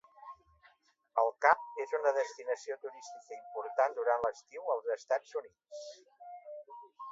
El Cap és una destinació turística important durant l'estiu als Estats Units.